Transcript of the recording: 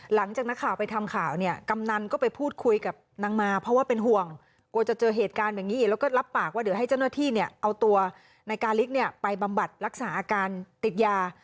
หลังจากนักข่าวไปทำข่าวเนี่ยกำนันก็ไปพูดคุยกับนางมาเพราะว่าเป็นห่วงกลัวจะเจอเหตุการณ์แบบนี้อีกแล้วก็รับปากว่าเดี๋ยวให้เจ้าหน้าที่เนี่ยเอาตัวนายกาลิกเนี่ยไปบำบัดรักษาอาการติดยา